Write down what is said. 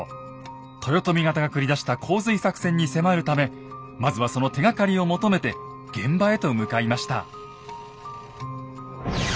豊臣方が繰り出した洪水作戦に迫るためまずはその手がかりを求めて現場へと向かいました。